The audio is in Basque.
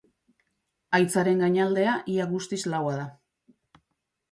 Haitzaren gainaldea ia guztiz laua da.